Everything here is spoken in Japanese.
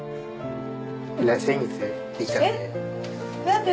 先月できた金で。